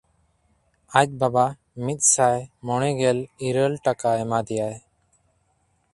ᱟᱡ ᱵᱟᱵᱟ ᱢᱤᱫᱥᱟᱭ ᱢᱚᱬᱮᱜᱮᱞ ᱤᱨᱟᱹᱞ ᱴᱟᱠᱟ ᱮᱢᱟ ᱫᱮᱭᱟᱭ᱾